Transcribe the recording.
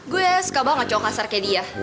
gue suka banget cowok kasar kayak dia